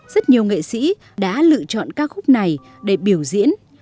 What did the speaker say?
rất nhiều nghệ sĩ đã lựa chọn ca khúc này để biểu diễn